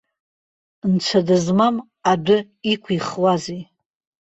Нцәа дызмам адәы иқәихуазеи!